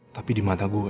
tapi di mata gue